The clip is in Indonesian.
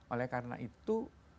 oleh karena itu